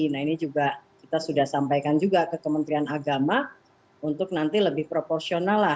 nah ini juga kita sudah sampaikan juga ke kementerian agama untuk nanti lebih proporsional lah